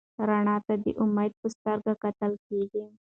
رڼا ته د امید په سترګه کتل کېږي.